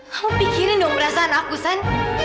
kamu pikirin dong perasaan aku san